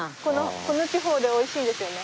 この地方で美味しいですよね。